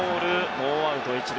ノーアウト１塁。